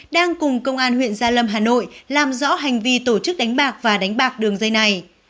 đang cùng công an huyện gia lâm hà nội làm rõ hành vi tổ chức đánh bạc và đánh bạc đường dây này